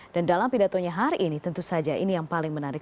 dan dalam pidatonya hari ini tentu saja ini yang paling menarik